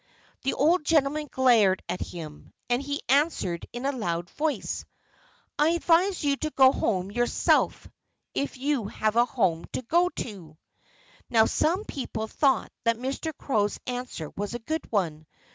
The old gentleman glared at him. And he answered in a loud voice: "I advise you to go home yourself if you have a home to go to!" Now, some people thought that Mr. Crow's answer was a good one.